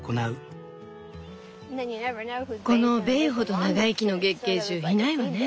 この「ベイ」ほど長生きの月桂樹いないわね。